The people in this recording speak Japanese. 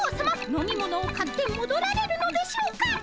飲み物を買ってもどられるのでしょうか！